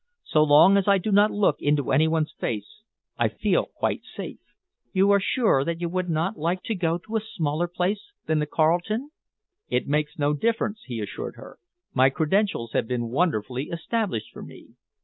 So long as I do not look into any one's face, I feel quite safe." "You are sure that you would not like to go to a smaller place than the Carlton?" "It makes no difference," he assured her. "My credentials have been wonderfully established for me."